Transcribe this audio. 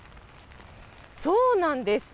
そうなんです。